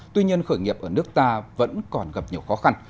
tuy nhiên khởi nghiệp ở nước ta vẫn còn gặp nhiều khó khăn